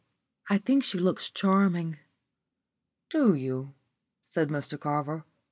I think she looks charming." "Do you?" said Mr Carver.